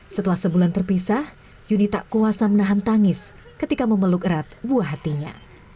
setelah sebulan terpisah yuni tak kuasa menahan tangis ketika memeluk erat buah hatinya